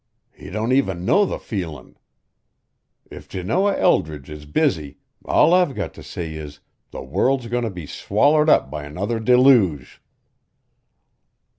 He don't even know the feelin'. If Janoah Eldridge is busy, all I've got to say is, the world's goin' to be swallered up by another deluge."